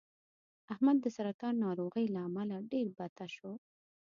احمد د سرطان ناروغۍ له امله ډېر بته شو